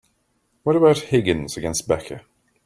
What about Higgins against Becca?